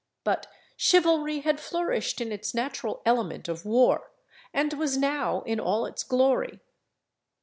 But chivalry had flourished in its natural element of war, and was now in all its glory.